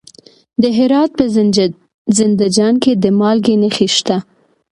د هرات په زنده جان کې د مالګې نښې شته.